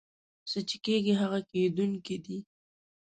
څه چې کېږي هغه کېدونکي دي.